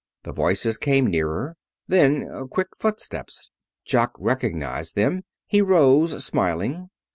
The voices came nearer. Then quick footsteps. Jock recognized them. He rose, smiling.